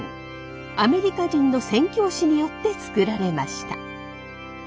アメリカ人の宣教師によって作られました。